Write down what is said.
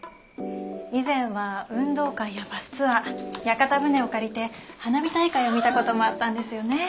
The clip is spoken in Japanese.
以前は運動会やバスツアー屋形船を借りて花火大会を見たこともあったんですよね。